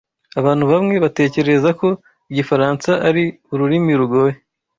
Abantu bamwe batekereza ko igifaransa ari ururimi rugoye.